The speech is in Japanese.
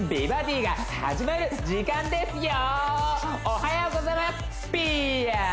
おはようございますピーヤ！